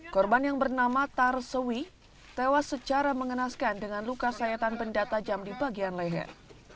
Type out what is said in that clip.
korban yang bernama tar sewi tewas secara mengenaskan dengan luka sayatan benda tajam di bagian leher